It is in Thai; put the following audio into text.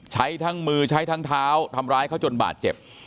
ใช้ทั้งมือใช้ทั้งเท้าทำร้ายเขาจนบาดเจ็บ